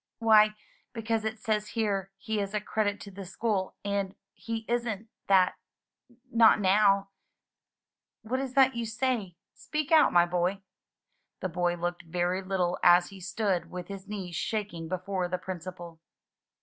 "Why, because it says here he is a credit to the school, and he isn't that — ^not now/' "What is that you say? Speak out, my boy." The boy looked very little as he stood with his knees shaking before the big Principal.